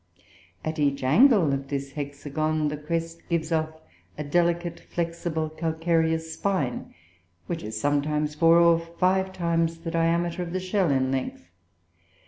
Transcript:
At each angle of this hexagon the crest gives off a delicate flexible calcareous spine, which is sometimes four or five times the diameter of the shell in length.